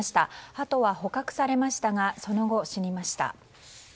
ハトは捕獲されましたがその後、死にました。